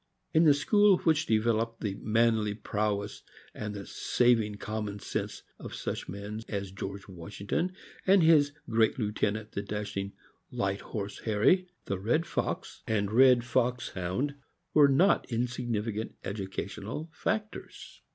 In the school which devel oped the manly prowess and the " saving common sense " of such men as George Washington and his great lieu tenant, the dashing '' Light horse Harry, '' the red fox and red fox Hound were not insignificant educational factors.